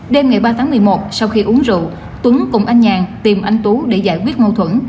đêm ngày ba tháng một mươi một sau khi uống rượu tuấn cùng anh nhàn tìm anh tú để giải quyết mâu thuẫn